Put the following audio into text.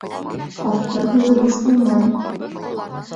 Ҡарттар һүҙе буш булмай.